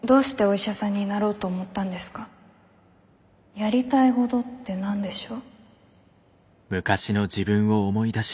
やりたいごどって何でしょう。